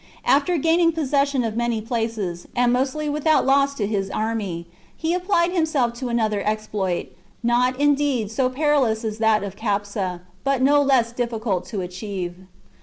After gaining possession of many places, and mostly without loss to his army, he applied himself to another exploit, not, indeed, so perilous as that of Capsa, but no less difficult to achieve.